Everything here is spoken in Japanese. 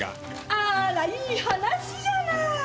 あーらいい話じゃない！